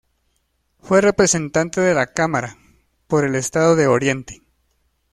Fue representante de la Cámara, por el Estado de Oriente.